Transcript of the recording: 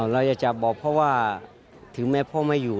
เราอยากจะบอกพ่อว่าถึงแม้พ่อไม่อยู่